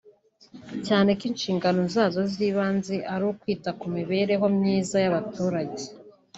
cyane ko inshingano zazo z’ibanze ari ukwita ku mibereho myiza y’abaturage